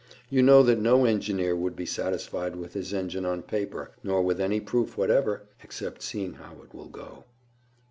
You know that no engineer would be satisfied with his engine on paper, nor with any proof whatever except seeing how it will go."